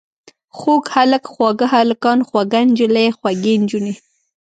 خوږ هلک، خواږه هلکان، خوږه نجلۍ، خوږې نجونې.